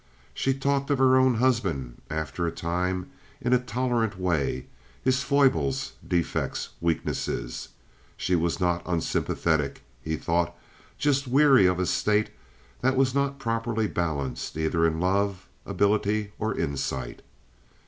She talked of her own husband after a time in a tolerant way—his foibles, defects, weaknesses. She was not unsympathetic, he thought, just weary of a state that was not properly balanced either in love, ability, or insight.